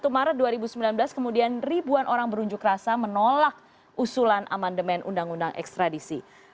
satu maret dua ribu sembilan belas kemudian ribuan orang berunjuk rasa menolak usulan amandemen undang undang ekstradisi